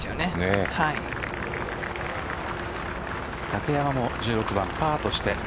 竹山も１６番、パーとして。